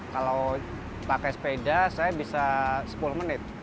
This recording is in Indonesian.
kalau pakai sepeda saya bisa sepuluh menit